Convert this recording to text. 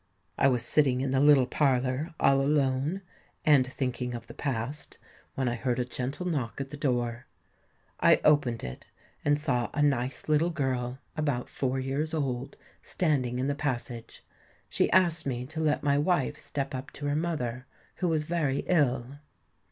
I was sitting in the little parlour all alone, and thinking of the past, when I heard a gentle knock at the door. I opened it, and saw a nice little girl, about four years old, standing in the passage. She asked me to let my wife step up to her mother, who was very ill.